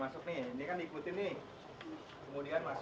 sembilan sepuluh ya sekarang ya